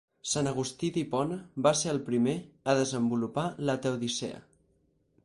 Sant Agustí d'Hipona va ser el primer a desenvolupar la teodicea.